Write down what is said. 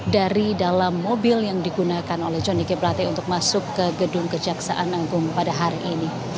dari dalam mobil yang digunakan oleh johnny g plate untuk masuk ke gedung kejaksaan agung pada hari ini